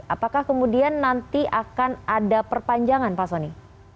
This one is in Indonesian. apakah kemudian nanti akan ada perpanjangan pak soni